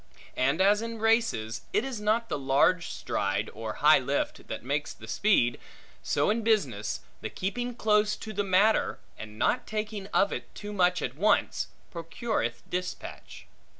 And as in races it is not the large stride or high lift that makes the speed; so in business, the keeping close to the matter, and not taking of it too much at once, procureth dispatch.